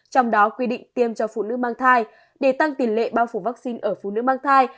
trong đó quy định tiêm cho phụ nữ mang thai để tăng tiền lệ bao phủ vaccine ở phụ nữ mang thai